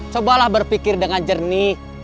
cobalah berpikir dengan jernih